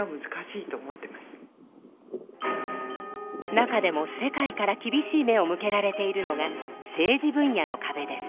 中でも世界から厳しい目を向けられているのが政治分野の壁です。